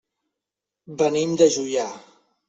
Venim de Juià.